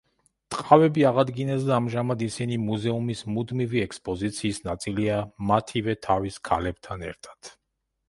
ტყავები აღადგინეს და ამჟამად ისინი მუზეუმის მუდმივი ექსპოზიციის ნაწილია მათივე თავის ქალებთან ერთად.